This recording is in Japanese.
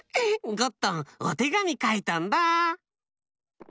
ゴットンおてがみかいたんだ！